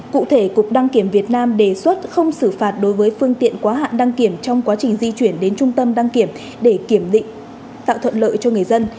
cụ thể cục đăng kiểm việt nam đề xuất không xử phạt đối với phương tiện quá hạn đăng kiểm trong quá trình di chuyển đến trung tâm đăng kiểm để tạo thuận lợi cho người dân